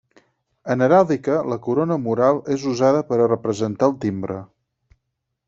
En heràldica la corona mural és usada per a representar el timbre.